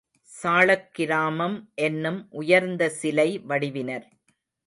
சாளக் கிராமம் என்னும் உயர்ந்த சிலை வடிவினர்.